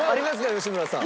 吉村さん。